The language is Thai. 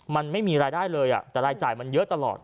มันไม่มีรายได้เลยแต่รายจ่ายมันเยอะตลอด